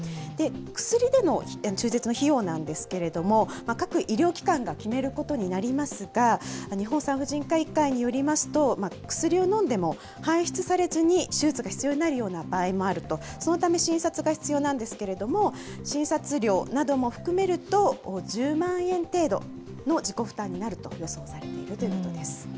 薬での中絶の費用なんですけれども、各医療機関が決めることになりますが、日本産婦人科医会によりますと、薬を飲んでも排出されずに、手術が必要になるような場合もあると、そのため診察が必要なんですけれども、診察料なども含めると、１０万円程度の自己負担になると予想されているということです。